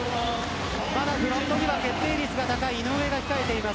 まだフロントには決定率が高い井上が控えています。